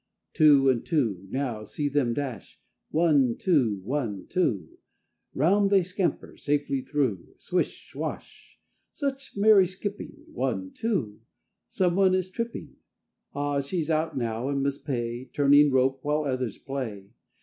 _ Two and two now, see them dash! One, two, one, two, Round they scamper, safely through, Swish swash! such merry skipping, One, two, some one is tripping! Ah, she's out now and must pay Turning rope while others play!